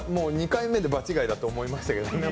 ２回目で場違いだと思いましたけど。